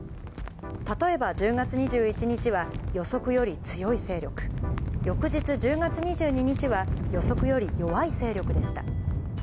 例えば１０月２１日は予測より強い勢力、翌日１０月２２日は、予測より弱い勢力でした。